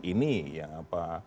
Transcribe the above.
ini yang apa